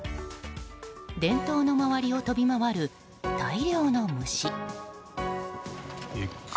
電灯の周りを飛び回る大量の虫。